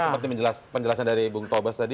seperti penjelasan dari bung tobas tadi